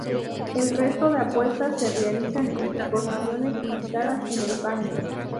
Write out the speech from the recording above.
El resto de apuestas se realizan en sus posiciones, indicadas en el paño.